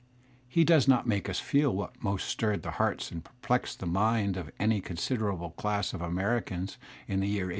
He does not make us feel what most stirred the hearts and perplexed the minds of any con jsiderable dass of Americans in the year 1825.